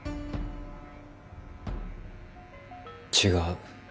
違う。